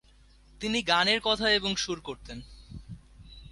তিনি গানের কথা এবং সুর করতেন।